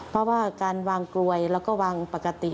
เพราะว่าการวางกลวยแล้วก็วางปกติ